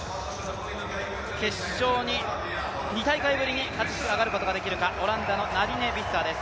決勝に２大会ぶりに勝ち進むことができるか、オランダのナディネ・ビッサーです